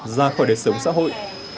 ra khỏi đời sống xã hội